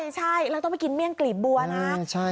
ใช่เราต้องไปกินเมี่ยงกลีบบัวนะ